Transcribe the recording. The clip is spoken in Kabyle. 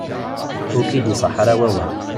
Ur k-id-iṣaḥ ara wawal.